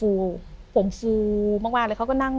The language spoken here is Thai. อเรนนี่แกร่งอเรนนี่แกร่ง